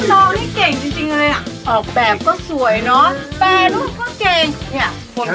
สุดท้ายสุดท้ายสุดท้าย